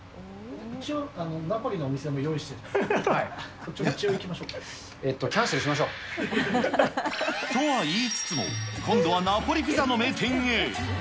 一応、ナポリのお店も用意してるんで、えーと、キャンセルしましょう。とはいいつつも、今度はナポリピザの名店へ。